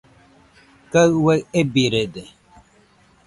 Kaɨ uai ebirede.